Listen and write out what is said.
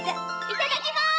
いただきます！